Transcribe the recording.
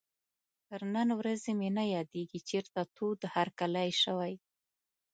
تر نن ورځې مې نه یادېږي چېرته تود هرکلی شوی.